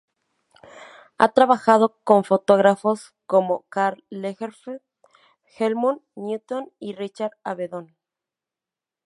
Ha trabajado con fotógrafos como Karl Lagerfeld, Helmut Newton y Richard Avedon.